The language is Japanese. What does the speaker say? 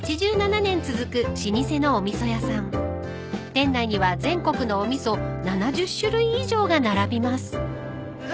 ［店内には全国のお味噌７０種類以上が並びます］